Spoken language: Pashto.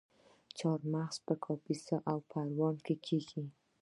چهارمغز په کاپیسا او پروان کې کیږي.